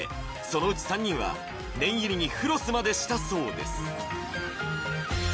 そのうち３人は念入りにフロスまでしたそうです